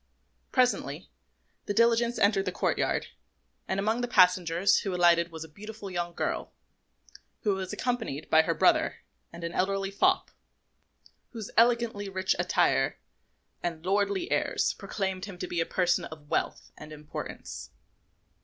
Presently the diligence entered the courtyard, and amongst the passengers who alighted was a beautiful young girl, who was accompanied by her brother and an elderly fop, whose elegantly rich attire and lordly airs proclaimed him to be a person of wealth and importance.